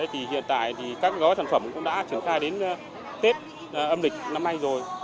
thì hiện tại thì các gói sản phẩm cũng đã triển khai đến tết âm lịch năm nay rồi